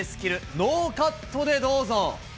ノーカットでどうぞ。